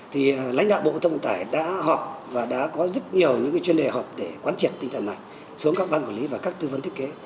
thì lãnh đạo bộ thông vận tải đã họp và đã có rất nhiều những chuyên đề họp để quán triệt tinh thần này xuống các ban quản lý và các tư vấn thiết kế